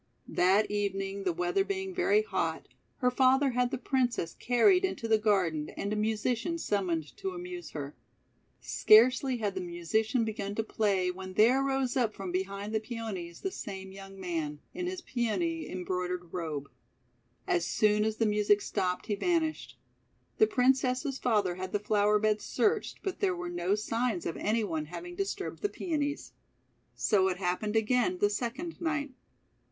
That evening, the weather being very hot, her father had the Princess carried into the gar den and a musician summoned to amuse her. Scarcely had the musician begun to play when there rose up from behind the Peonies the same young man, in his Peony embroidered robe. As soon as the music stopped, he vanished. The Princess's father had the flower bed searched, but there were no signs of any one having dis turbed the Peonies. So it happened again the second night.